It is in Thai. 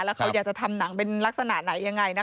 แล้วเขาอยากจะทำหนังเป็นลักษณะไหนยังไงนะคะ